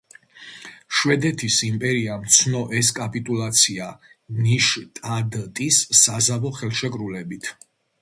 შვედეთის იმპერიამ ცნო ეს კაპიტულაცია ნიშტადტის საზავო ხელშეკრულებით.